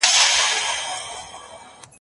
د مرغانو پاچهۍ ته نه جوړېږي